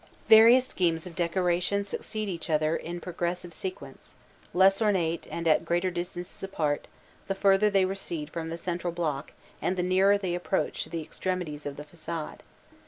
Various schemes of decoration succeed each other in progressive sequence, less ornate and at greater distances apart, the further they recede from the central block and the nearer they approach to the extremities of the facade.